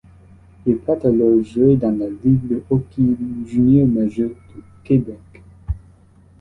Il part alors jouer dans la Ligue de hockey junior majeur du Québec.